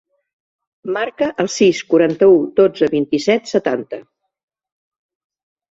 Marca el sis, quaranta-u, dotze, vint-i-set, setanta.